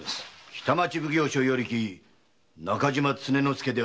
北町奉行所与力・中島常之助だ。